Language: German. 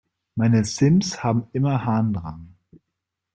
Meine Sims haben immer Harndrang.